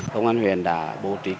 công an huyện đã bố trí